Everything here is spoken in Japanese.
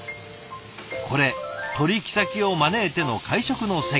これ取引先を招いての会食の席。